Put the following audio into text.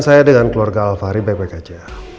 saya dengan keluarga alfari baik baik aja